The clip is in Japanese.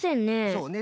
そうね